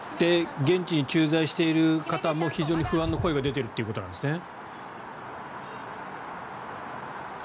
現地に駐在している方も非常に不安の声が出ているということですね。